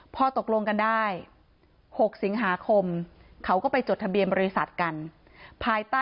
เพราะไม่มีเงินไปกินหรูอยู่สบายแบบสร้างภาพ